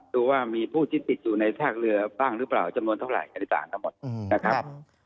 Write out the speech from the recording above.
ดูว่ามีผู้ที่ติดอยู่ในซากเรือบ้างหรือเปล่าจำนวนเท่าไหนิสารทั้งหมดนะครับ